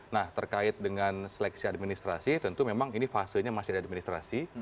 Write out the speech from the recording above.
nah terkait dengan seleksi administrasi tentu memang ini fasenya masih ada administrasi